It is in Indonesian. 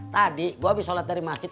tadi ibu habis sholat dari masjid